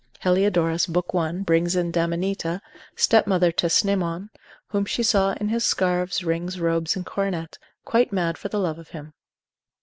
Heliodorus, lib. 1. brings in Dameneta, stepmother to Cnemon, whom she saw in his scarves, rings, robes, and coronet, quite mad for the love of him.